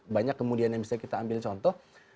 banyak kemudian yang bisa kita ambil contoh